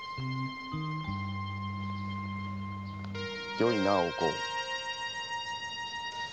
よいなお甲。